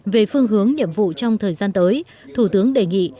về phương hướng nhiệm vụ trong thời gian tới thủ tướng đề nghị